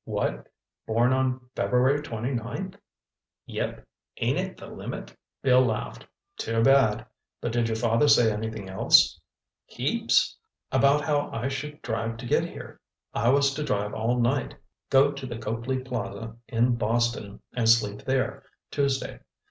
"What? Born on February twenty ninth?" "Yep—ain't it the limit?" Bill laughed. "Too bad. But did your father say anything else?" "Heaps. About how I should drive to get here. I was to drive all night, go to the Copley Plaza in Boston and sleep there Tuesday.